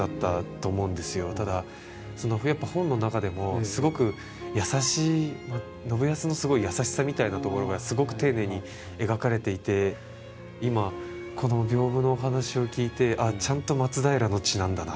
ただそのやっぱ本の中でもすごく優しい信康のすごい優しさみたいなところがすごく丁寧に描かれていて今この屏風のお話を聞いてああちゃんと松平の血なんだな。